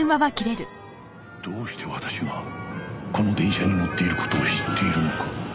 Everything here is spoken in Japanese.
どうして私がこの電車に乗っている事を知っているのか